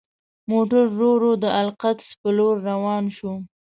موټر ورو ورو د القدس په لور روان شو.